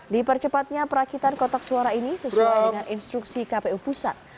dipercepatnya perakitan kotak suara ini sesuai dengan instruksi kpu pusat